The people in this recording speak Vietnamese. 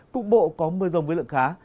cục bộ có mưa rông với lượng khá